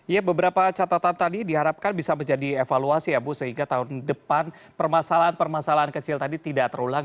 ya beberapa catatan tadi diharapkan bisa menjadi evaluasi ya bu sehingga tahun depan permasalahan permasalahan kecil tadi tidak terulang